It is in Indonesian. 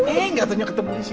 eh gak ternyata ketemu di sini